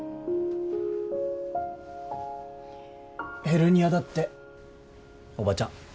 ヘルニアだっておばちゃん。